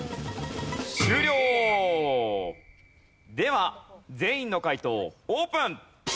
終了！では全員の解答オープン！